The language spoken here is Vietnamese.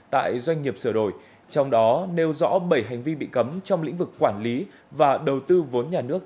tại doanh nghiệp sửa đổi trong đó nêu rõ bảy hành vi bị cấm trong lĩnh vực quản lý và đầu tư vốn nhà nước